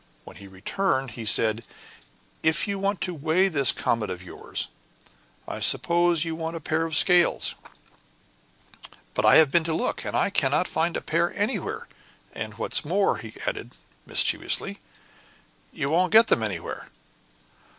When he returned, he said, "If you want to weigh this comet of yours, I suppose you want a pair of scales; but I have been to look, and I cannot find a pair anywhere. And what's more," he added mischievously, "you won't get them anywhere."